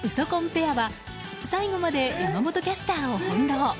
ペアは最後まで山本キャスターを翻弄。